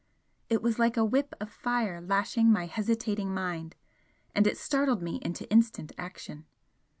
It was like a whip of fire lashing my hesitating mind, and it startled me into instant action.